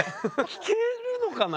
聞けるのかな？